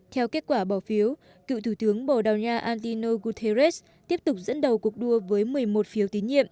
theo kết quả bỏ phiếu cựu thủ tướng bồ đào nha antino guterres tiếp tục dẫn đổi